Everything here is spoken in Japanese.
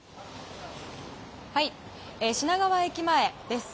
品川駅前です。